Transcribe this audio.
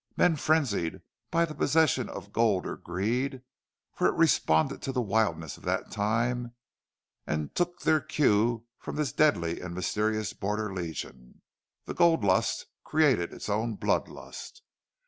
Men frenzied by the possession of gold or greed for it responded to the wildness of that time and took their cue from this deadly and mysterious Border Legion. The gold lust created its own blood lust.